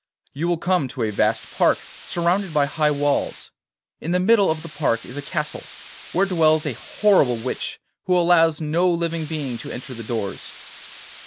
You will come to a vast park surrounded by high walls. In the middle of the park is a castle, where dwells a horrible witch who allows no living being to enter the doors.